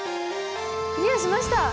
クリアしました。